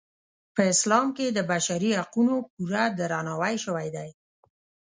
په اسلام کې د بشري حقونو پوره درناوی شوی دی.